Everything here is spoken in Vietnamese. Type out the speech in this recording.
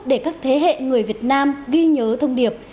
để các thế hệ người việt nam ghi nhớ thông điệp